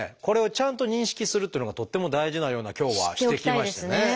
これをちゃんと認識するっていうのがとっても大事なような今日はしてきましたね。